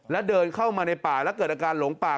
และเดินเข้ามาในป่าแล้วเกิดอาการหลงป่า